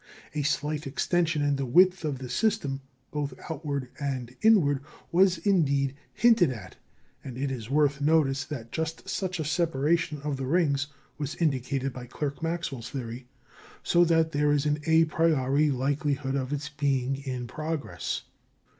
A slight extension in the width of the system, both outward and inward, was indeed, hinted at; and it is worth notice that just such a separation of the rings was indicated by Clerk Maxwell's theory, so that there is an à priori likelihood of its being in progress.